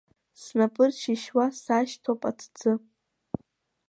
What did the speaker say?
Снапыршьышьуа сашьҭоуп аҭӡы.